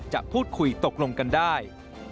จะพูดคุยตกลงกันได้